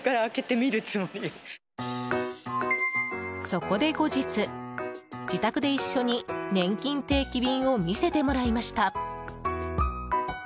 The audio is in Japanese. そこで後日、自宅で一緒にねんきん定期便を見せてもらいました。